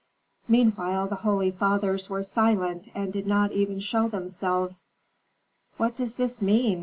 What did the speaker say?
Meanwhile the holy fathers were silent and did not even show themselves. "What does this mean?"